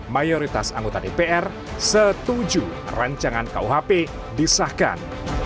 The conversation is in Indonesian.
mayoritas anggota dpr setuju rancangan kuhp disahkan